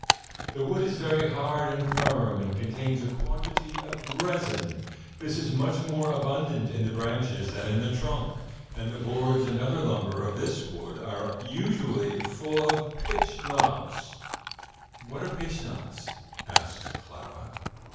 The wood is very hard and firm, and contains a quantity of resin. This is much more abundant in the branches than in the trunk, and the boards and other lumber of this wood are usually full of pitch knots." "What are pitch knots?" asked Clara.